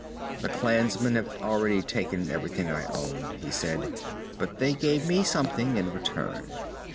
"The clansmen have already taken everything I owned," he said. "But they gave me something, in return."